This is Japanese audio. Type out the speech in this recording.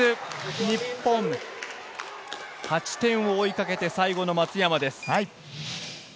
日本、８点を追いかけて最後の松山です。